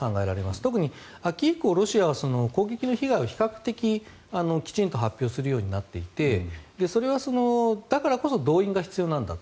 特に秋以降、ロシアは攻撃の被害を比較的きちんと発表するようになっていてそれは、だからこそ動員が必要なんだと。